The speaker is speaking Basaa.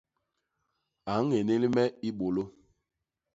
A ññénél me i bôlô.